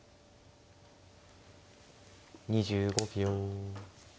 ２５秒。